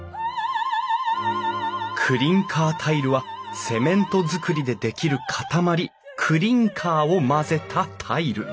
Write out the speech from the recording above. クリンカータイルはセメントづくりでできる塊クリンカーを混ぜたタイル。